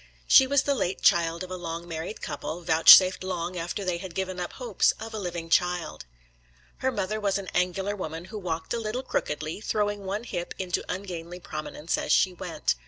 She was the late child of a long married couple, vouchsafed long after they had given up hopes of a living child. Her mother was an angular woman who walked a little crookedly, throwing one hip into ungainly prominence as she went.